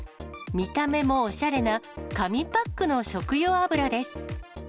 見た目もおしゃれな、紙パックの食用油です。